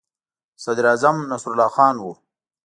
صدراعظم نصرالله خان وو.